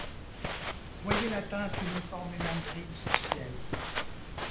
Voyez la teinte uniformément grise du ciel.